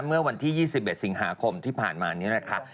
เมื่อวันที่๒๑สิงหาคมที่ผ่านมานี่แหละค่ะ